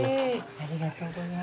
ありがとうございます。